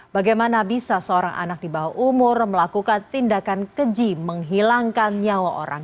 bagaimana bisa seorang anak di bawah umur melakukan tindakan keji menghilangkan nyawa orang